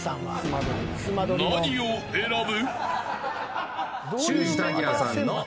何を選ぶ。